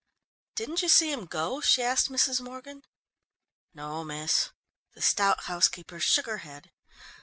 "Didn't you see him go?" she asked Mrs. Morgan. "No, miss," the stout housekeeper shook her head.